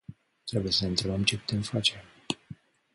Trebuie să ne întrebăm ce putem face.